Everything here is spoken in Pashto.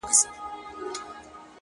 زما د زړه گلونه ساه واخلي ـ